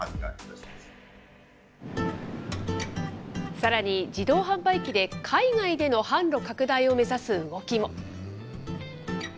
さらに自動販売機で海外での販路拡大を目指す動きも。